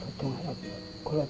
buat siapa ini pak